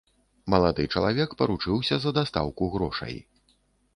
Малады чалавек паручыўся за дастаўку грошай.